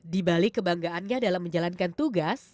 di balik kebanggaannya dalam menjalankan tugas